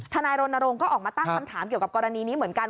นายรณรงค์ก็ออกมาตั้งคำถามเกี่ยวกับกรณีนี้เหมือนกัน